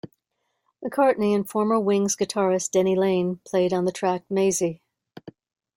McCartney and former Wings guitarist Denny Laine played on the track "Maisie".